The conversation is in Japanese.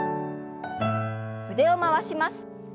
腕を回します。